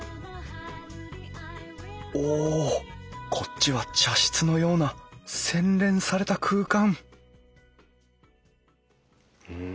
おこっちは茶室のような洗練された空間うん